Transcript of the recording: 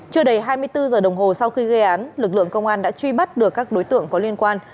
chưa đầy hai mươi bốn giờ đồng hồ sau khi gây án lực lượng công an đã truy bắt được các đối tượng có liên quan